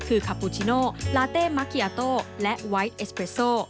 คือคาปูชิโนลาเต้มักเกียโตและไวท์เอสเกรสโซ